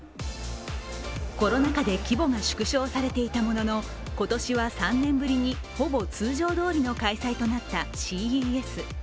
コロナ禍で規模が縮小されていたものの今年は３年ぶりにほぼ通常どおりの開催となったＣＥＳ。